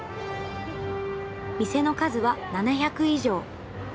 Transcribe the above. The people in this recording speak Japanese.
店の数は７００以上。